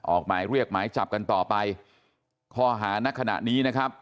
ออกหมายเรียกหมายจับกันต่อไปข้อหานักขณะนี้นะครับ